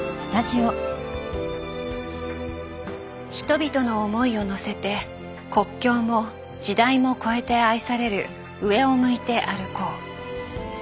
人々の思いをのせて国境も時代も超えて愛される「上を向いて歩こう」。